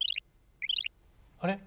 あれ？